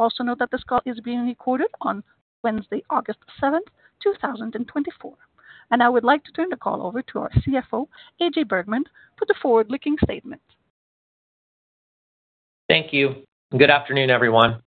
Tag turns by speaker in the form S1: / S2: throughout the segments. S1: `Also note that this call is being recorded on Wednesday, August 7th, 2024. I would like to turn the call over to our CFO, AJ Bergmann, for the forward-looking statement.
S2: Thank you. Good afternoon, everyone.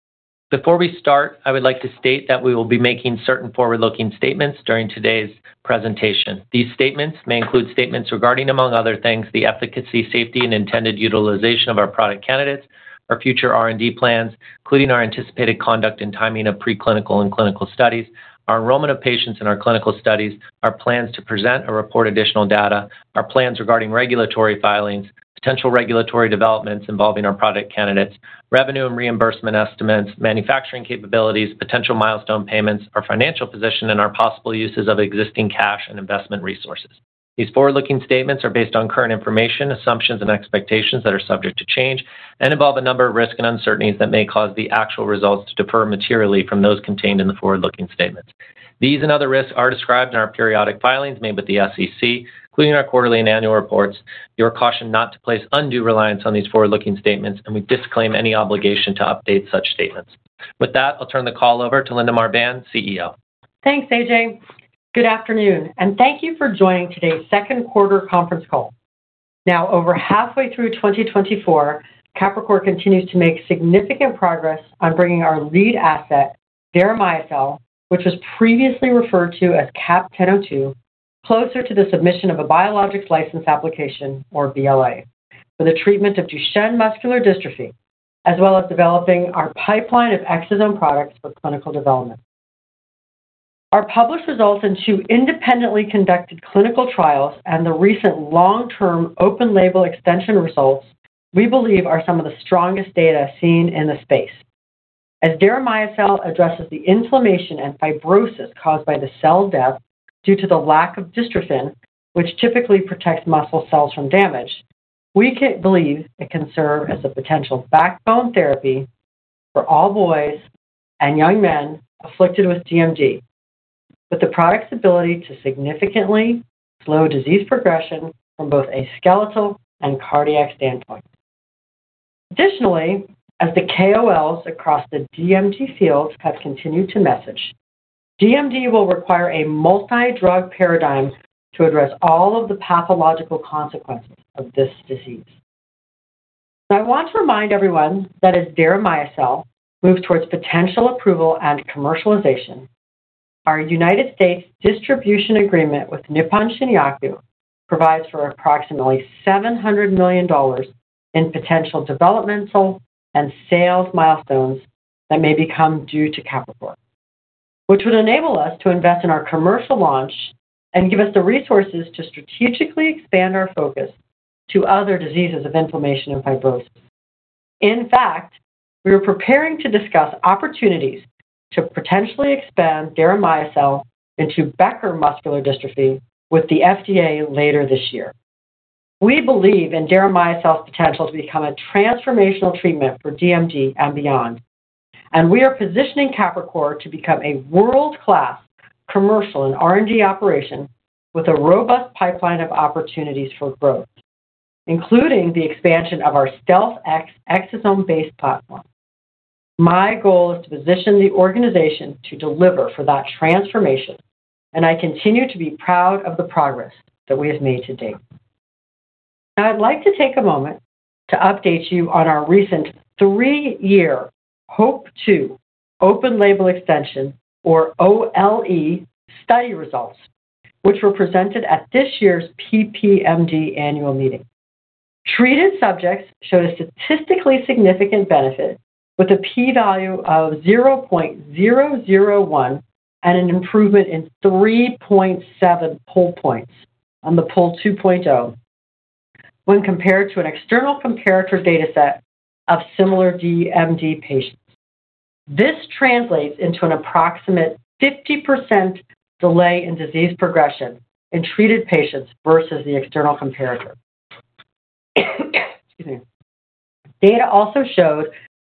S2: Before we start, I would like to state that we will be making certain forward-looking statements during today's presentation. These statements may include statements regarding, among other things, the efficacy, safety, and intended utilization of our product candidates, our future R&D plans, including our anticipated conduct and timing of preclinical and clinical studies, our enrollment of patients in our clinical studies, our plans to present or report additional data, our plans regarding regulatory filings, potential regulatory developments involving our product candidates, revenue and reimbursement estimates, manufacturing capabilities, potential milestone payments, our financial position, and our possible uses of existing cash and investment resources. These forward-looking statements are based on current information, assumptions, and expectations that are subject to change and involve a number of risks and uncertainties that may cause the actual results to differ materially from those contained in the forward-looking statements. These and other risks are described in our periodic filings made with the SEC, including our quarterly and annual reports. You are cautioned not to place undue reliance on these forward-looking statements, and we disclaim any obligation to update such statements. With that, I'll turn the call over to Linda Marbán, CEO.
S3: Thanks, AJ. Good afternoon, and thank you for joining today's second quarter conference call. Now, over halfway through 2024, Capricor continues to make significant progress on bringing our lead asset, deramiocel, which was previously referred to as CAP-1002, closer to the submission of a biologics license application or BLA, for the treatment of Duchenne muscular dystrophy, as well as developing our pipeline of exosome products for clinical development. Our published results in two independently conducted clinical trials and the recent long-term open label extension results, we believe are some of the strongest data seen in the space. As deramiocel addresses the inflammation and fibrosis caused by the cell death due to the lack of dystrophin, which typically protects muscle cells from damage, we can believe it can serve as a potential backbone therapy for all boys and young men afflicted with DMD, with the product's ability to significantly slow disease progression from both a skeletal and cardiac standpoint. Additionally, as the KOLs across the DMD field have continued to message, DMD will require a multi-drug paradigm to address all of the pathological consequences of this disease. I want to remind everyone that as deramiocel moves towards potential approval and commercialization, our United States distribution agreement with Nippon Shinyaku provides for approximately $700 million in potential developmental and sales milestones that may become due to Capricor. Which would enable us to invest in our commercial launch and give us the resources to strategically expand our focus to other diseases of inflammation and fibrosis. In fact, we are preparing to discuss opportunities to potentially expand deramiocel into Becker muscular dystrophy with the FDA later this year. We believe in deramiocel's potential to become a transformational treatment for DMD and beyond, and we are positioning Capricor to become a world-class commercial in R&D operation with a robust pipeline of opportunities for growth, including the expansion of our StealthX exosome-based platform. My goal is to position the organization to deliver for that transformation, and I continue to be proud of the progress that we have made to date. Now, I'd like to take a moment to update you on our recent three-year HOPE-2 Open Label Extension, or OLE, study results, which were presented at this year's PPMD annual meeting. Treated subjects showed a statistically significant benefit with a P-value of 0.001 and an improvement in 3.7 PUL points on the PUL 2.0 when compared to an external comparator data set of similar DMD patients. This translates into an approximate 50% delay in disease progression in treated patients versus the external comparator. Excuse me. Data also showed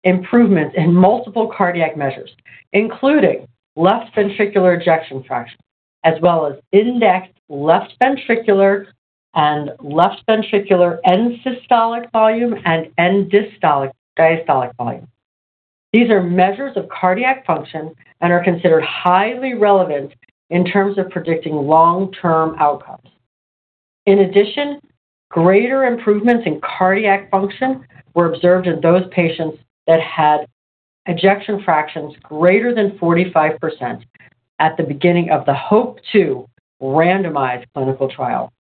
S3: improvements in multiple cardiac measures, including left ventricular ejection fraction, as well as indexed left ventricular and left ventricular end-systolic volume and end-diastolic volume. These are measures of cardiac function and are considered highly relevant in terms of predicting long-term outcomes. In addition, greater improvements in cardiac function were observed in those patients that had ejection fractions greater than 45% at the beginning of the HOPE-2 randomized clinical trial.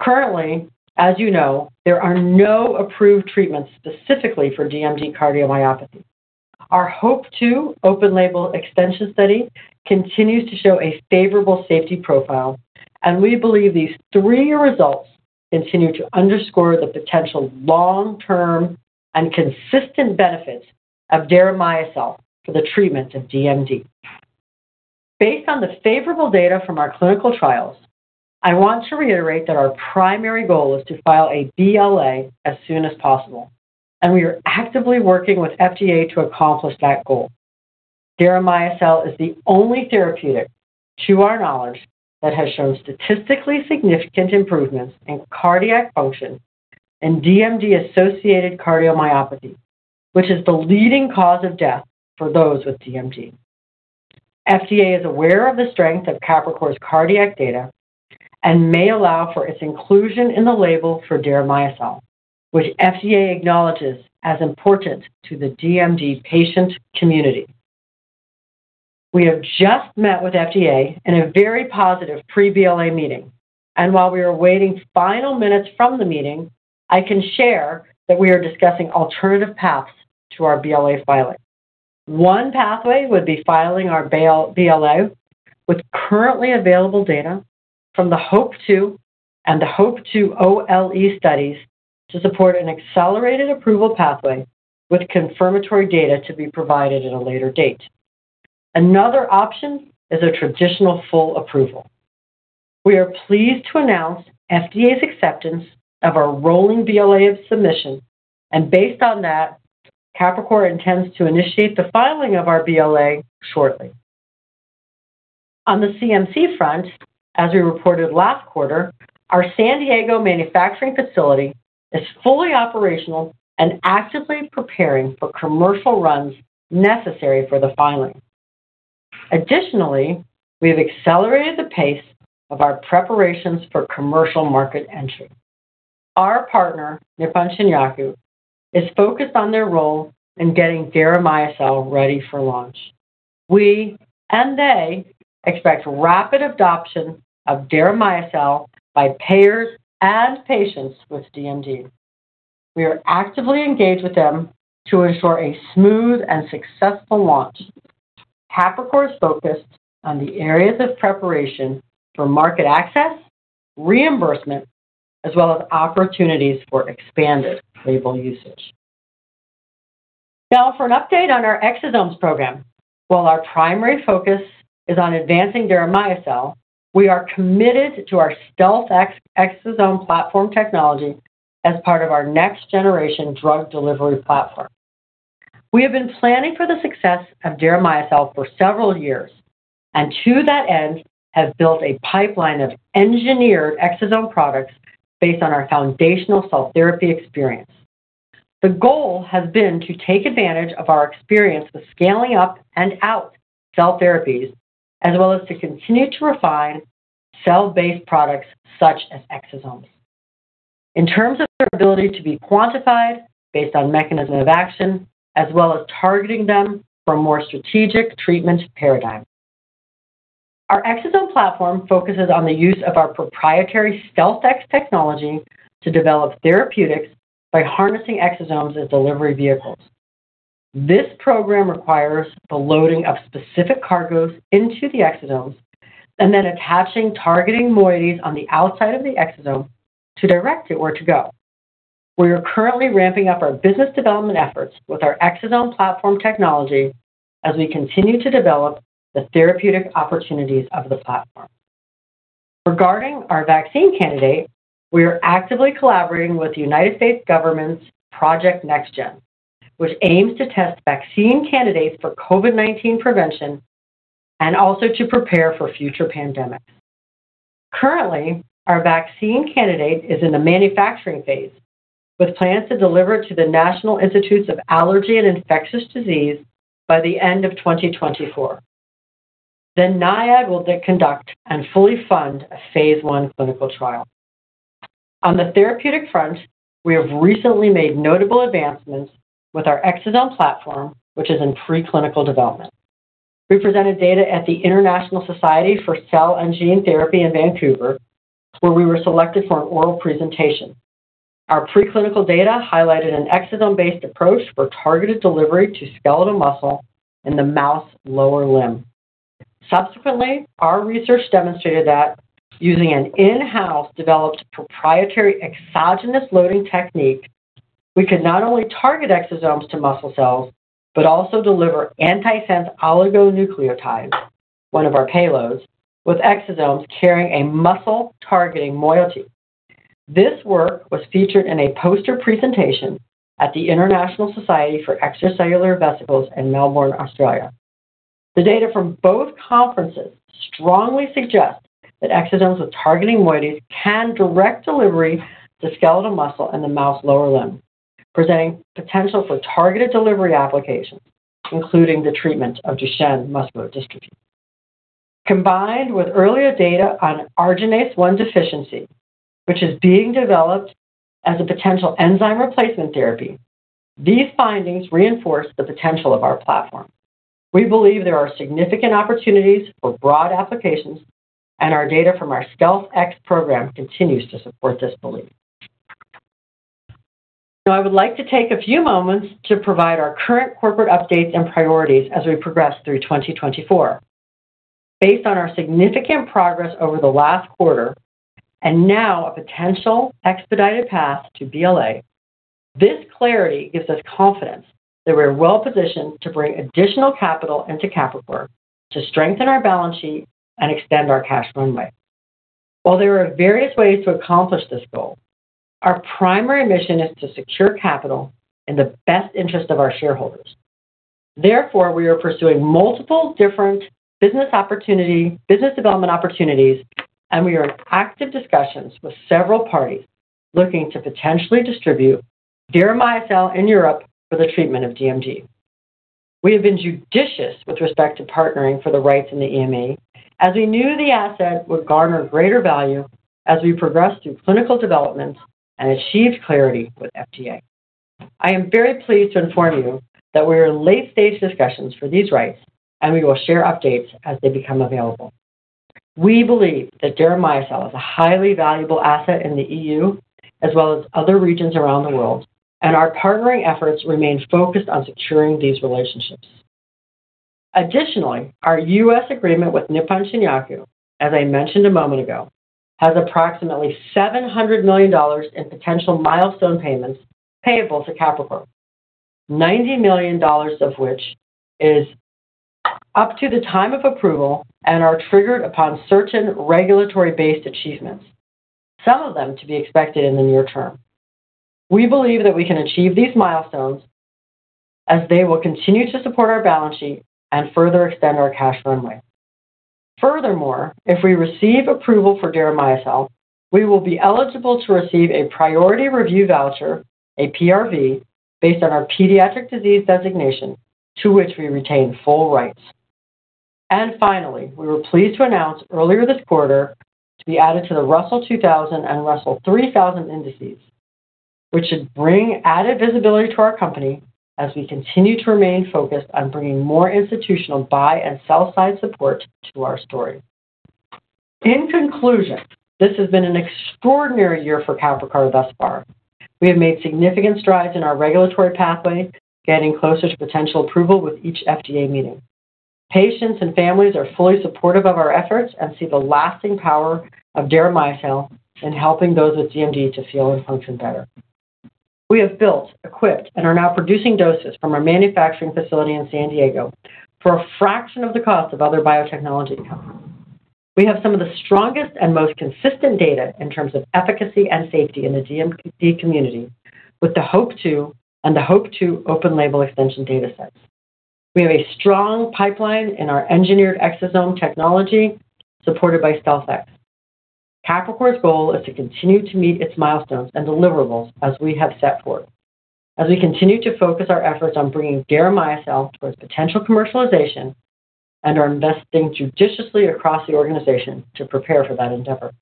S3: Currently, as you know, there are no approved treatments specifically for DMD cardiomyopathy. Our HOPE-2 Open Label Extension study continues to show a favorable safety profile, and we believe these three-year results continue to underscore the potential long-term and consistent benefits of deramiocel for the treatment of DMD. Based on the favorable data from our clinical trials, I want to reiterate that our primary goal is to file a BLA as soon as possible, and we are actively working with FDA to accomplish that goal. deramiocel is the only therapeutic, to our knowledge, that has shown statistically significant improvements in cardiac function and DMD-associated cardiomyopathy, which is the leading cause of death for those with DMD. FDA is aware of the strength of Capricor's cardiac data and may allow for its inclusion in the label for deramiocel, which FDA acknowledges as important to the DMD patient community. We have just met with FDA in a very positive pre-BLA meeting, and while we are waiting final minutes from the meeting, I can share that we are discussing alternative paths to our BLA filing. One pathway would be filing our BLA with currently available data from the HOPE-2 and the HOPE-2 OLE studies to support an accelerated approval pathway with confirmatory data to be provided at a later date. Another option is a traditional full approval. We are pleased to announce FDA's acceptance of our rolling BLA submission, and based on that, Capricor intends to initiate the filing of our BLA shortly. On the CMC front, as we reported last quarter, our San Diego manufacturing facility is fully operational and actively preparing for commercial runs necessary for the filing. Additionally, we have accelerated the pace of our preparations for commercial market entry. Our partner, Nippon Shinyaku, is focused on their role in getting deramiocel ready for launch. We and they expect rapid adoption of deramiocel by payers and patients with DMD. We are actively engaged with them to ensure a smooth and successful launch. Capricor is focused on the areas of preparation for market access, reimbursement, as well as opportunities for expanded label usage. Now, for an update on our exosomes program. While our primary focus is on advancing deramiocel, we are committed to our StealthX exosome platform technology as part of our next-generation drug delivery platform. We have been planning for the success of deramiocel for several years, and to that end, have built a pipeline of engineered exosome products based on our foundational cell therapy experience. The goal has been to take advantage of our experience with scaling up and out cell therapies, as well as to continue to refine cell-based products such as exosomes. In terms of their ability to be quantified based on mechanism of action, as well as targeting them for more strategic treatment paradigms. Our exosome platform focuses on the use of our proprietary StealthX technology to develop therapeutics by harnessing exosomes as delivery vehicles. This program requires the loading of specific cargos into the exosomes and then attaching targeting moieties on the outside of the exosome to direct it where to go. We are currently ramping up our business development efforts with our exosome platform technology as we continue to develop the therapeutic opportunities of the platform. Regarding our vaccine candidate, we are actively collaborating with the United States government's Project NextGen, which aims to test vaccine candidates for COVID-19 prevention and also to prepare for future pandemics. Currently, our vaccine candidate is in the manufacturing phase, with plans to deliver to the National Institute of Allergy and Infectious Diseases by the end of 2024. Then NIAID will then conduct and fully fund a phase I clinical trial. On the therapeutic front, we have recently made notable advancements with our exosome platform, which is in preclinical development. We presented data at the International Society for Cell and Gene Therapy in Vancouver, where we were selected for an oral presentation. Our preclinical data highlighted an exosome-based approach for targeted delivery to skeletal muscle in the mouse lower limb. Subsequently, our research demonstrated that using an in-house developed proprietary exogenous loading technique, we could not only target exosomes to muscle cells, but also deliver antisense oligonucleotides, one of our payloads, with exosomes carrying a muscle-targeting moiety. This work was featured in a poster presentation at the International Society for Extracellular Vesicles in Melbourne, Australia. The data from both conferences strongly suggest that exosomes with targeting moieties can direct delivery to skeletal muscle and the mouse lower limb, presenting potential for targeted delivery applications, including the treatment of Duchenne muscular dystrophy. Combined with earlier data on arginase-1 deficiency, which is being developed as a potential enzyme replacement therapy, these findings reinforce the potential of our platform. We believe there are significant opportunities for broad applications, and our data from our StealthX program continues to support this belief. Now, I would like to take a few moments to provide our current corporate updates and priorities as we progress through 2024. Based on our significant progress over the last quarter and now a potential expedited path to BLA, this clarity gives us confidence that we are well positioned to bring additional capital into Capricor to strengthen our balance sheet and extend our cash runway. While there are various ways to accomplish this goal, our primary mission is to secure capital in the best interest of our shareholders. Therefore, we are pursuing multiple different business opportunities, business development opportunities, and we are in active discussions with several parties looking to potentially distribute deramiocel in Europe for the treatment of DMD. We have been judicious with respect to partnering for the rights in the EMA., as we knew the asset would garner greater value as we progressed through clinical developments and achieved clarity with FDA. I am very pleased to inform you that we are in late-stage discussions for these rights, and we will share updates as they become available. We believe that deramiocel is a highly valuable asset in the E.U., as well as other regions around the world, and our partnering efforts remain focused on securing these relationships. Additionally, our U.S. agreement with Nippon Shinyaku, as I mentioned a moment ago, has approximately $700 million in potential milestone payments payable to Capricor, $90 million of which is up to the time of approval and are triggered upon certain regulatory-based achievements, some of them to be expected in the near term. We believe that we can achieve these milestones as they will continue to support our balance sheet and further extend our cash runway. Furthermore, if we receive approval for deramiocel, we will be eligible to receive a priority review voucher, a PRV, based on our pediatric disease designation, to which we retain full rights. And finally, we were pleased to announce earlier this quarter to be added to the Russell 2000 and Russell 3000 indices, which should bring added visibility to our company as we continue to remain focused on bringing more institutional buy and sell side support to our story. In conclusion, this has been an extraordinary year for Capricor thus far. We have made significant strides in our regulatory pathway, getting closer to potential approval with each FDA meeting. Patients and families are fully supportive of our efforts and see the lasting power of deramiocel in helping those with DMD to feel and function better. We have built, equipped, and are now producing doses from our manufacturing facility in San Diego for a fraction of the cost of other biotechnology companies. We have some of the strongest and most consistent data in terms of efficacy and safety in the DMD community, with the HOPE-2 and the HOPE-2 open label extension datasets. We have a strong pipeline in our engineered exosome technology, supported by StealthX. Capricor's goal is to continue to meet its milestones and deliverables as we have set forth, as we continue to focus our efforts on bringing deramiocel towards potential commercialization and are investing judiciously across the organization to prepare for that endeavor.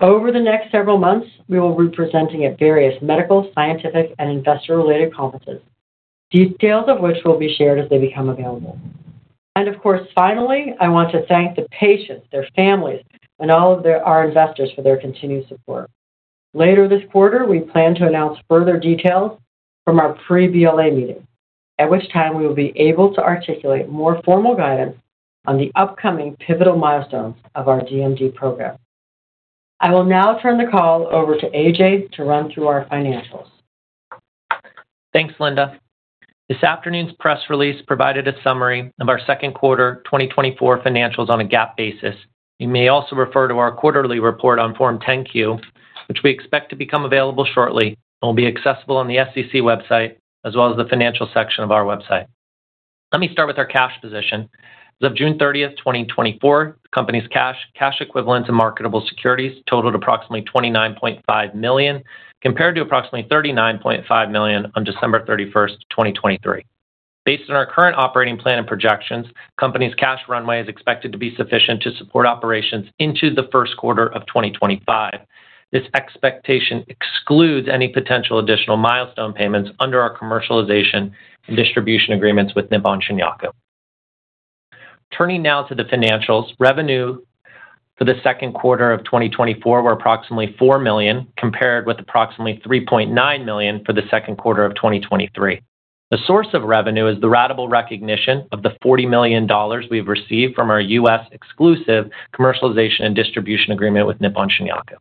S3: Over the next several months, we will be presenting at various medical, scientific, and investor-related conferences, details of which will be shared as they become available. And of course, finally, I want to thank the patients, their families, and all of their, our investors for their continued support. Later this quarter, we plan to announce further details from our pre-BLA meeting, at which time we will be able to articulate more formal guidance on the upcoming pivotal milestones of our DMD program. I will now turn the call over to AJ to run through our financials.
S2: Thanks, Linda. This afternoon's press release provided a summary of our second quarter 2024 financials on a GAAP basis. You may also refer to our quarterly report on Form 10-Q, which we expect to become available shortly and will be accessible on the SEC website as well as the financial section of our website. Let me start with our cash position. As of June 30, 2024, the company's cash, cash equivalents, and marketable securities totaled approximately $29.5 million, compared to approximately $39.5 million on December 31st, 2023. Based on our current operating plan and projections, the company's cash runway is expected to be sufficient to support operations into the first quarter of 2025. This expectation excludes any potential additional milestone payments under our commercialization and distribution agreements with Nippon Shinyaku. Turning now to the financials. Revenue for the second quarter of 2024 was approximately $4 million, compared with approximately $3.9 million for the second quarter of 2023. The source of revenue is the ratable recognition of the $40 million we've received from our U.S. exclusive commercialization and distribution agreement with Nippon Shinyaku.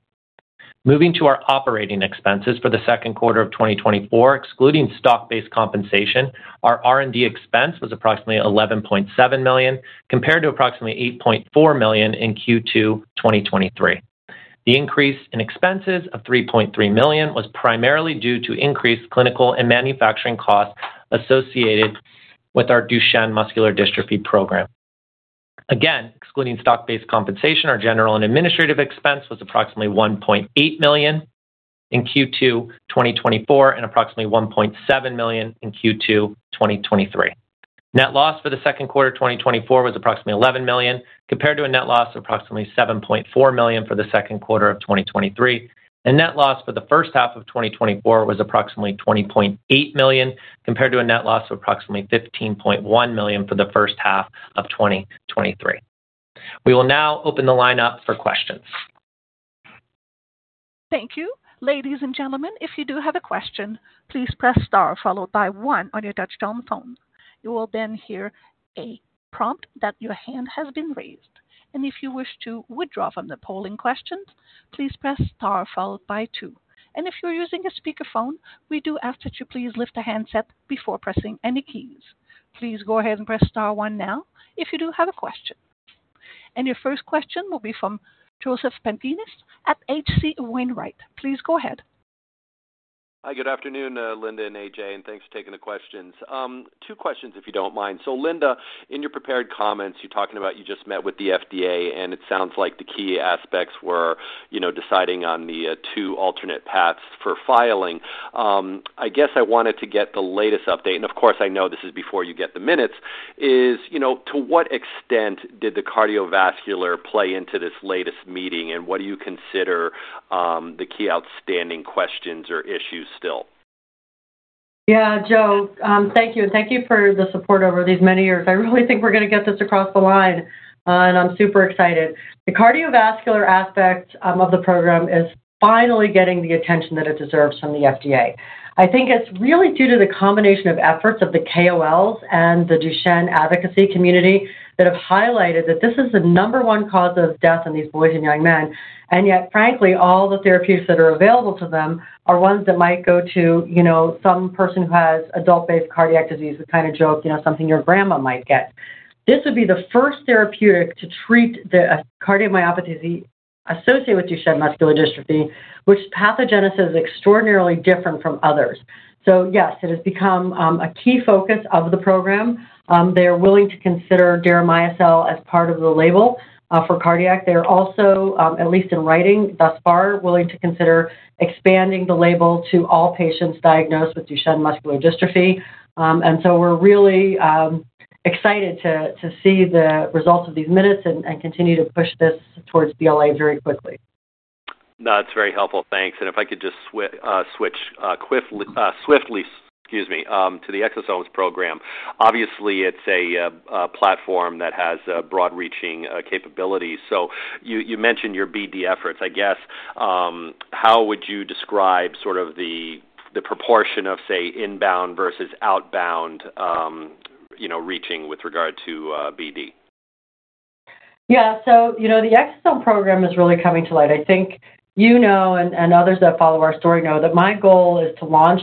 S2: Moving to our operating expenses for the second quarter of 2024, excluding stock-based compensation, our R&D expense was approximately $11.7 million, compared to approximately $8.4 million in Q2 2023. The increase in expenses of $3.3 million was primarily due to increased clinical and manufacturing costs associated with our Duchenne muscular dystrophy program. Again, excluding stock-based compensation, our general and administrative expense was approximately $1.8 million in Q2 2024 and approximately $1.7 million in Q2 2023. Net loss for the second quarter 2024 was approximately $11 million, compared to a net loss of approximately $7.4 million for the second quarter of 2023. Net loss for the first half of 2024 was approximately $20.8 million, compared to a net loss of approximately $15.1 million for the first half of 2023. We will now open the line up for questions.
S1: Thank you. Ladies and gentlemen, if you do have a question, please press star followed by one on your touchtone phone. You will then hear a prompt that your hand has been raised, and if you wish to withdraw from the polling question. Please press star followed by two. And if you're using a speakerphone, we do ask that you please lift the handset before pressing any keys. Please go ahead and press star one now, if you do have a question. And your first question will be from Joseph Pantginis at H.C. Wainwright. Please go ahead.
S4: Hi, good afternoon, Linda and AJ, and thanks for taking the questions. Two questions, if you don't mind. So Linda, in your prepared comments, you're talking about you just met with the FDA, and it sounds like the key aspects were, you know, deciding on the two alternate paths for filing. I guess I wanted to get the latest update, and of course, I know this is before you get the minutes, is, you know, to what extent did the cardiovascular play into this latest meeting? And what do you consider the key outstanding questions or issues still?
S3: Yeah, Joe, thank you, and thank you for the support over these many years. I really think we're going to get this across the line, and I'm super excited. The cardiovascular aspect of the program is finally getting the attention that it deserves from the FDA. I think it's really due to the combination of efforts of the KOLs and the Duchenne advocacy community that have highlighted that this is the number one cause of death in these boys and young men. And yet, frankly, all the therapies that are available to them are ones that might go to, you know, some person who has adult-based cardiac disease, the kind of joke, you know, something your grandma might get. This would be the first therapeutic to treat the cardiomyopathy associated with Duchenne muscular dystrophy, which pathogenesis is extraordinarily different from others. So yes, it has become a key focus of the program. They are willing to consider deramiocel as part of the label for cardiac. They are also, at least in writing, thus far, willing to consider expanding the label to all patients diagnosed with Duchenne muscular dystrophy. And so we're really excited to see the results of these minutes and continue to push this towards BLA very quickly.
S4: That's very helpful. Thanks. And if I could just switch swiftly, excuse me, to the exosomes program. Obviously, it's a platform that has a broad-reaching capabilities. So you mentioned your BD efforts. I guess, how would you describe sort of the proportion of, say, inbound versus outbound, you know, reaching with regard to BD?
S3: Yeah. So, you know, the exosome program is really coming to light. I think you know, and, and others that follow our story know that my goal is to launch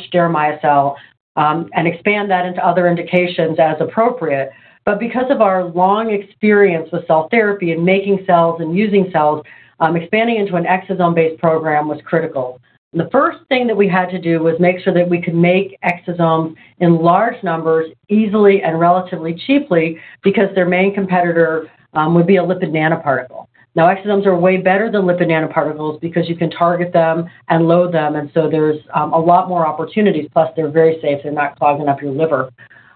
S3: deramiocel, and expand that into other indications as appropriate. But because of our long experience with cell therapy and making cells and using cells, expanding into an exosome-based program was critical. The first thing that we had to do was make sure that we could make exosomes in large numbers easily and relatively cheaply because their main competitor would be a lipid nanoparticle. Now, exosomes are way better than lipid nanoparticles because you can target them and load them, and so there's a lot more opportunities, plus they're very safe and not clogging up your liver.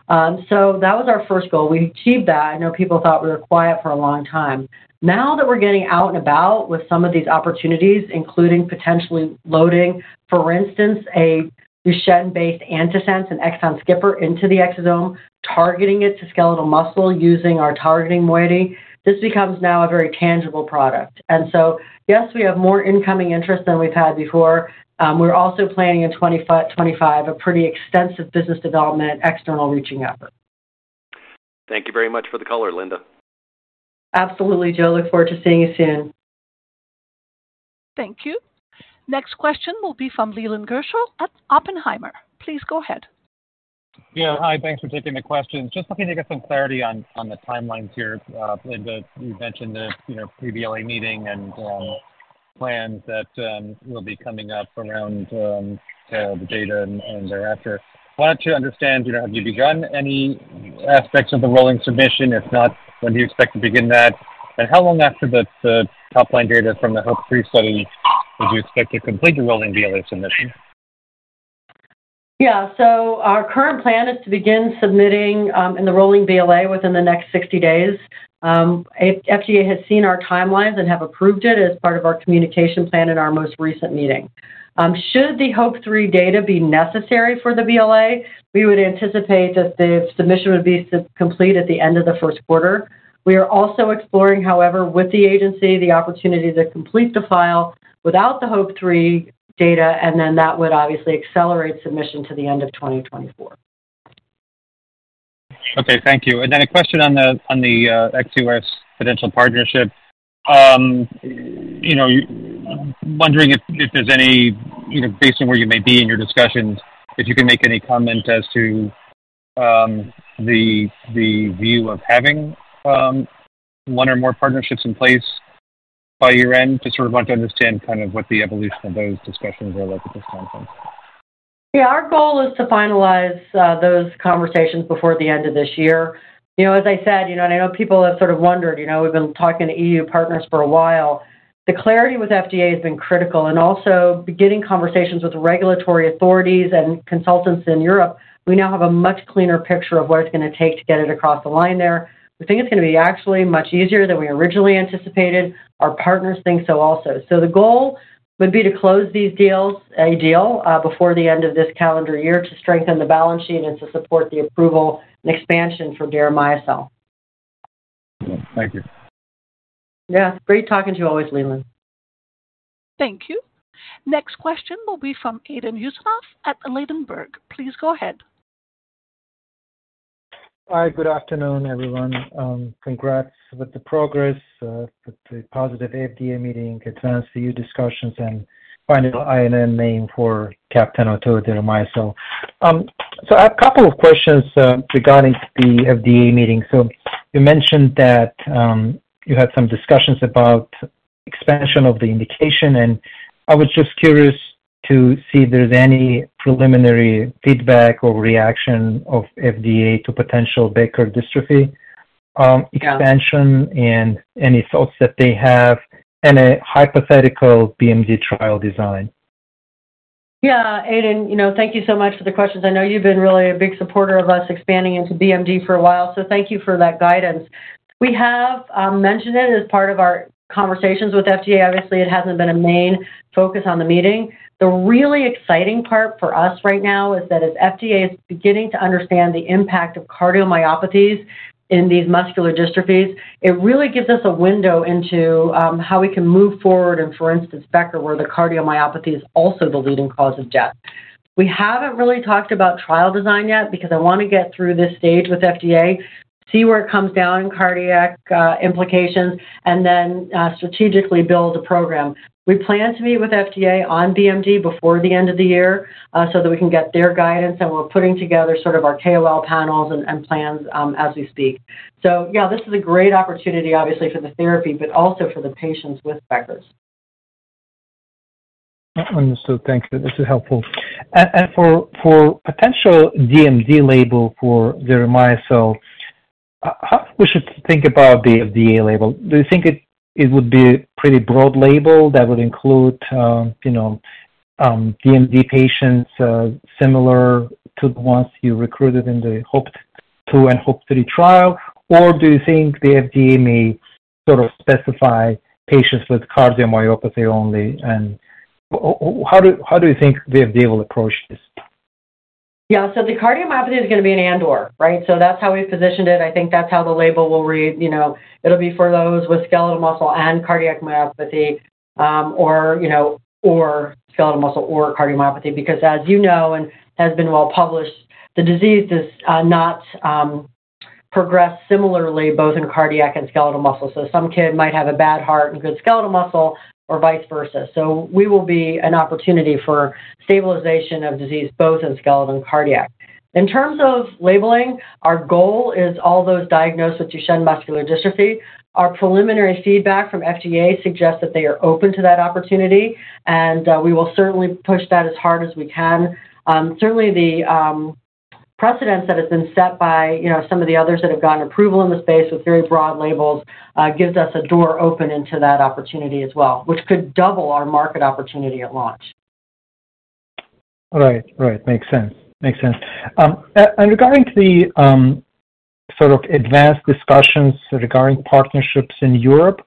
S3: So that was our first goal. We achieved that. I know people thought we were quiet for a long time. Now that we're getting out and about with some of these opportunities, including potentially loading, for instance, a Duchenne-based antisense and exon skipper into the exosome, targeting it to skeletal muscle using our targeting moiety, this becomes now a very tangible product. And so, yes, we have more incoming interest than we've had before. We're also planning in 2025, a pretty extensive business development, external reaching effort.
S4: Thank you very much for the color, Linda.
S3: Absolutely, Joe. Look forward to seeing you soon.
S1: Thank you. Next question will be from Leland Gershell at Oppenheimer. Please go ahead.
S5: Yeah. Hi, thanks for taking the questions. Just looking to get some clarity on, on the timelines here. Linda, you mentioned the, you know, pre-BLA meeting and, plans that, will be coming up around, the data and, and thereafter. Wanted to understand, you know, have you begun any aspects of the rolling submission? If not, when do you expect to begin that? And how long after the, the top-line data from the HOPE-3 study would you expect to complete the rolling BLA submission?
S3: Yeah. So our current plan is to begin submitting in the rolling BLA within the next 60 days. FDA has seen our timelines and have approved it as part of our communication plan in our most recent meeting. Should the HOPE-3 data be necessary for the BLA, we would anticipate that the submission would be substantially complete at the end of the first quarter. We are also exploring, however, with the agency, the opportunity to complete the file without the HOPE-3 data, and then that would obviously accelerate submission to the end of 2024.
S5: Okay, thank you. And then a question on the ex-U.S. potential partnership. You know, wondering if there's any, you know, based on where you may be in your discussions, if you can make any comment as to the view of having one or more partnerships in place by year-end, just sort of want to understand kind of what the evolution of those discussions are like at this time frame.
S3: Yeah, our goal is to finalize those conversations before the end of this year. You know, as I said, you know, and I know people have sort of wondered, you know, we've been talking to E.U. partners for a while. The clarity with FDA has been critical and also beginning conversations with regulatory authorities and consultants in Europe, we now have a much cleaner picture of what it's going to take to get it across the line there. We think it's going to be actually much easier than we originally anticipated. Our partners think so also. So the goal would be to close these deals, a deal, before the end of this calendar year to strengthen the balance sheet and to support the approval and expansion for deramiocel.
S5: Thank you.
S3: Yeah. Great talking to you always, Leland.
S1: Thank you. Next question will be from Aydin Huseynov at Ladenburg. Please go ahead.
S6: Hi, good afternoon, everyone. Congrats with the progress with the positive FDA meeting, advanced the discussions and final INN name for deramiocel. So I have a couple of questions regarding the FDA meeting. So you mentioned that you had some discussions about expansion of the indication, and I was just curious to see if there's any preliminary feedback or reaction of FDA to potential Becker dystrophy expansion and any thoughts that they have in a hypothetical BMD trial design.
S3: Yeah, Aydin, you know, thank you so much for the questions. I know you've been really a big supporter of us expanding into BMD for a while, so thank you for that guidance. We have mentioned it as part of our conversations with FDA. Obviously, it hasn't been a main focus on the meeting. The really exciting part for us right now is that as FDA is beginning to understand the impact of cardiomyopathies in these muscular dystrophies, it really gives us a window into how we can move forward and, for instance, Becker, where the cardiomyopathy is also the leading cause of death. We haven't really talked about trial design yet because I want to get through this stage with FDA, see where it comes down in cardiac implications, and then strategically build a program. We plan to meet with FDA on BMD before the end of the year, so that we can get their guidance, and we're putting together sort of our KOL panels and plans, as we speak. So yeah, this is a great opportunity, obviously, for the therapy, but also for the patients with Becker's.
S6: Understood. Thank you. This is helpful. And for potential DMD label for deramiocel, how we should think about the FDA label? Do you think it would be pretty broad label that would include, you know, DMD patients similar to the ones you recruited in the HOPE-2 and HOPE-3 trial? Or do you think the FDA may sort of specify patients with cardiomyopathy only? And how do you think the FDA will approach this?
S3: Yeah. So the cardiomyopathy is going to be an and/or, right? So that's how we've positioned it. I think that's how the label will read. You know, it'll be for those with skeletal muscle and cardiomyopathy, or, you know, or skeletal muscle or cardiomyopathy, because as you know, and has been well published, the disease does not progress similarly, both in cardiac and skeletal muscle. So some kid might have a bad heart and good skeletal muscle, or vice versa. So we will be an opportunity for stabilization of disease, both in skeletal and cardiac. In terms of labeling, our goal is all those diagnosed with Duchenne muscular dystrophy. Our preliminary feedback from FDA suggests that they are open to that opportunity, and we will certainly push that as hard as we can. Certainly, the precedent that has been set by, you know, some of the others that have gotten approval in the space with very broad labels gives us a door open into that opportunity as well, which could double our market opportunity at launch.
S6: Right. Right. Makes sense. Makes sense. And regarding the sort of advanced discussions regarding partnerships in Europe,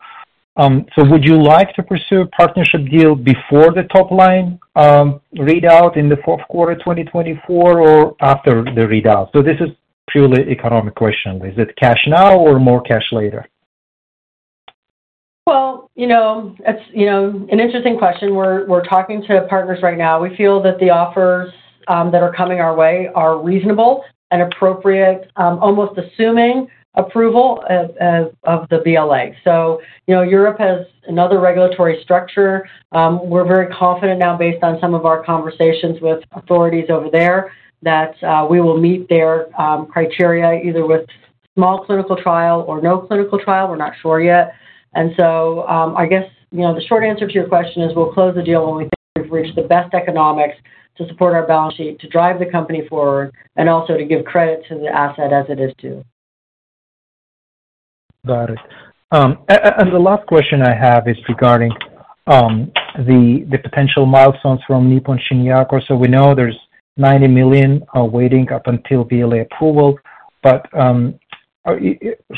S6: so would you like to pursue a partnership deal before the top-line readout in the fourth quarter, 2024, or after the readout? So this is purely economic question. Is it cash now or more cash later?
S3: Well, you know, it's, you know, an interesting question. We're talking to partners right now. We feel that the offers that are coming our way are reasonable and appropriate, almost assuming approval of the BLA. So, you know, Europe has another regulatory structure. We're very confident now, based on some of our conversations with authorities over there, that we will meet their criteria, either with small clinical trial or no clinical trial. We're not sure yet. So, I guess, you know, the short answer to your question is we'll close the deal when we think we've reached the best economics to support our balance sheet, to drive the company forward, and also to give credit to the asset as it is, too.
S6: Got it. And the last question I have is regarding the potential milestones from Nippon Shinyaku. So we know there's $90 million waiting up until BLA approval, but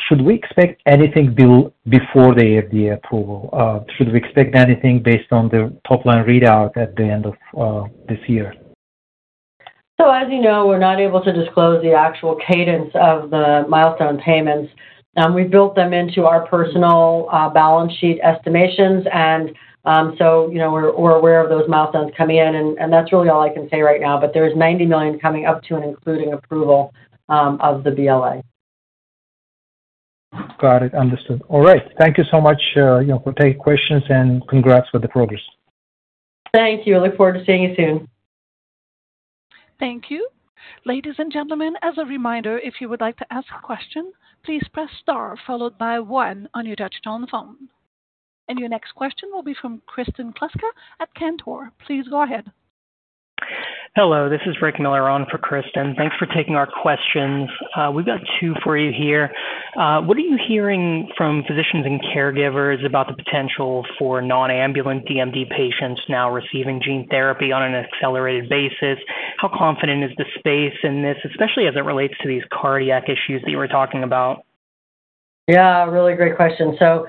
S6: should we expect anything due before the FDA approval? Should we expect anything based on the top-line readout at the end of this year?
S3: As you know, we're not able to disclose the actual cadence of the milestone payments. We've built them into our personal balance sheet estimations. So, you know, we're aware of those milestones coming in, and that's really all I can say right now. There is $90 million coming up to and including approval of the BLA.
S6: Got it. Understood. All right. Thank you so much, you know, for taking questions, and congrats for the progress.
S3: Thank you. I look forward to seeing you soon.
S1: Thank you. Ladies and gentlemen, as a reminder, if you would like to ask a question, please press star followed by one on your touchtone phone. And your next question will be from Kristin Kluska at Cantor. Please go ahead.
S7: Hello, this is Rick Miller on for Kristin. Thanks for taking our questions. We've got two for you here. What are you hearing from physicians and caregivers about the potential for non-ambulant DMD patients now receiving gene therapy on an accelerated basis? How confident is the space in this, especially as it relates to these cardiac issues that you were talking about?
S3: Yeah, really great question. So,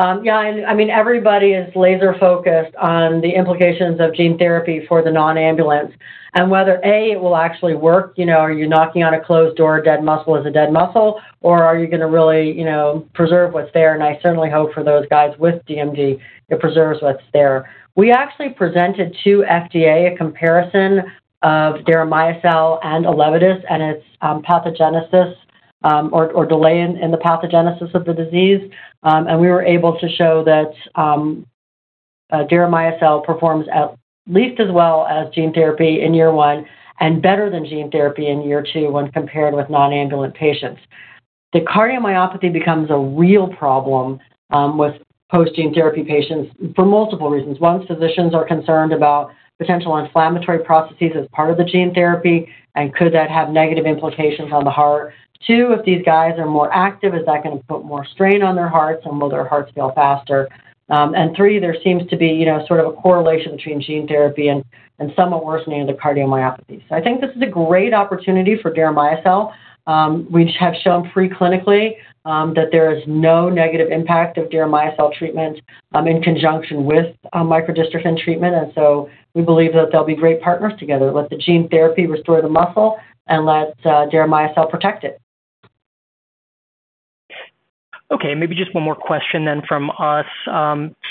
S3: yeah, and I mean, everybody is laser-focused on the implications of gene therapy for the non-ambulants and whether, A, it will actually work. You know, are you knocking on a closed door, dead muscle is a dead muscle, or are you going to really, you know, preserve what's there? And I certainly hope for those guys with DMD, it preserves what's there. We actually presented to FDA a comparison of deramiocel and Elevidys and its pathogenesis or delay in the pathogenesis of the disease. And we were able to show that deramiocel performs at least as well as gene therapy in year one and better than gene therapy in year two when compared with non-ambulant patients. The cardiomyopathy becomes a real problem with post-gene therapy patients for multiple reasons. One, physicians are concerned about potential inflammatory processes as part of the gene therapy, and could that have negative implications on the heart? Two, if these guys are more active, is that going to put more strain on their hearts, and will their hearts fail faster? And three, there seems to be, you know, sort of a correlation between gene therapy and, and somewhat worsening of the cardiomyopathy. So I think this is a great opportunity for deramiocel. We have shown pre-clinically that there is no negative impact of deramiocel treatment in conjunction with microdystrophin treatment, and so we believe that they'll be great partners together. Let the gene therapy restore the muscle and let deramiocel protect it.
S7: Okay, maybe just one more question then from us.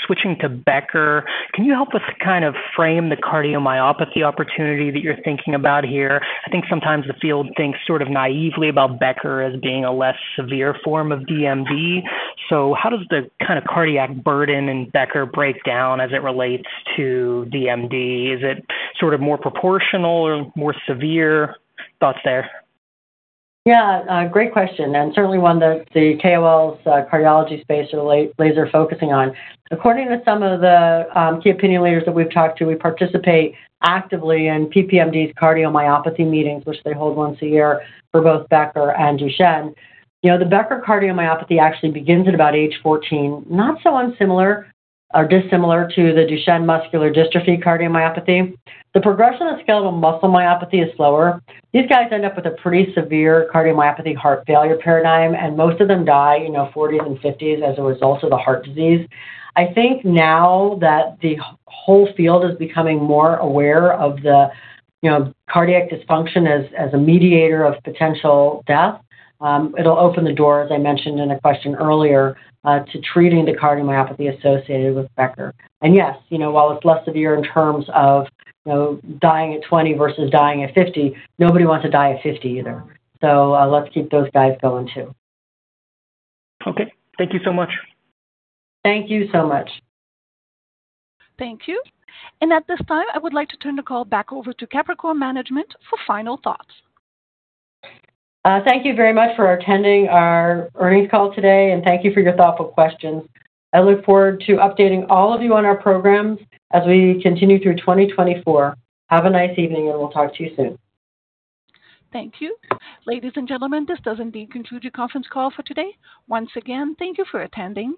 S7: Switching to Becker, can you help us kind of frame the cardiomyopathy opportunity that you're thinking about here? I think sometimes the field thinks sort of naively about Becker as being a less severe form of DMD. So how does the kind of cardiac burden in Becker break down as it relates to DMD? Is it sort of more proportional or more severe? Thoughts there.
S3: Yeah, great question, and certainly one that the KOLs in the cardiology space are laser focusing on. According to some of the key opinion leaders that we've talked to, we participate actively in PPMD's cardiomyopathy meetings, which they hold once a year for both Becker and Duchenne. You know, the Becker cardiomyopathy actually begins at about age 14, not so unsimilar or dissimilar to the Duchenne muscular dystrophy cardiomyopathy. The progression of skeletal muscle myopathy is slower. These guys end up with a pretty severe cardiomyopathy heart failure paradigm, and most of them die, you know, 40s and 50s as a result of the heart disease. I think now that the whole field is becoming more aware of the, you know, cardiac dysfunction as, as a mediator of potential death, it'll open the door, as I mentioned in a question earlier, to treating the cardiomyopathy associated with Becker. And yes, you know, while it's less severe in terms of, you know, dying at 20 versus dying at 50, nobody wants to die at 50 either. So, let's keep those guys going, too.
S7: Okay. Thank you so much.
S3: Thank you so much.
S1: Thank you. At this time, I would like to turn the call back over to Capricor Management for final thoughts.
S3: Thank you very much for attending our earnings call today, and thank you for your thoughtful questions. I look forward to updating all of you on our programs as we continue through 2024. Have a nice evening, and we'll talk to you soon.
S1: Thank you. Ladies and gentlemen, this does indeed conclude your conference call for today. Once again, thank you for attending.